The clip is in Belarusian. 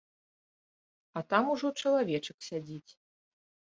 А там ужо чалавечак сядзіць.